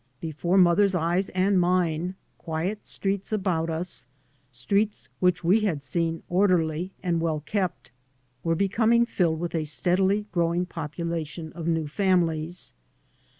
Before mother's eyes and mine quiet streets about us, streets which we had seen orderly and well kept, were becoming tilled with a steadily growing population of new families.